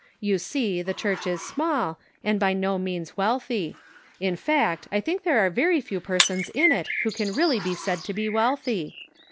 You see the church is small, and by no means wealthy. In fact, I think there are very few persons in it who can really be said to be wealthy.